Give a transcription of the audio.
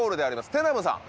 テナムさん